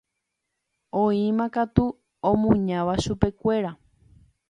Oĩmakatu omuñáva chupekuéra.